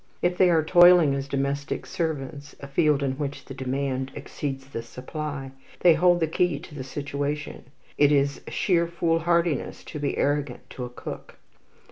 If they are toiling as domestic servants, a field in which the demand exceeds the supply, they hold the key to the situation; it is sheer foolhardiness to be arrogant to a cook.